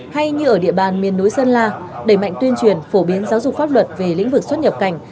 hay như ở địa bàn miền núi sơn la đẩy mạnh tuyên truyền phổ biến giáo dục pháp luật về lĩnh vực xuất nhập cảnh